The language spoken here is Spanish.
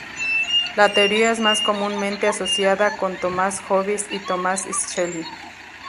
La teoría es más comúnmente asociada con Thomas Hobbes y Thomas Schelling.